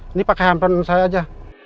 ini pakai hamperan saya aja